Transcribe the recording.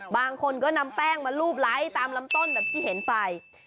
บางคนก็นำแป้งมารูปไร้ตามลำต้นแบบที่เห็นไป